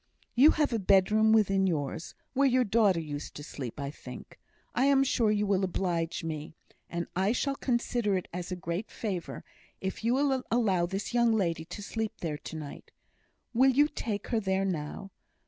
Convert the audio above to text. "You have a bedroom within yours, where your daughter used to sleep, I think? I am sure you will oblige me, and I shall consider it as a great favour, if you will allow this young lady to sleep there to night. Will you take her there now?